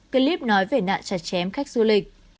clip nói về nạn chặt chém khách du lịch